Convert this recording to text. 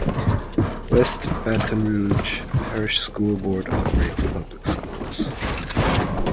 West Baton Rouge Parish School Board operates public schools.